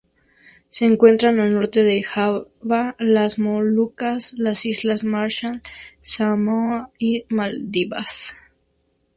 Se encuentra al norte de Java, las Molucas, las Islas Marshall, Samoa y Maldivas.